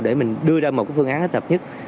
để mình đưa ra một phương án hợp nhất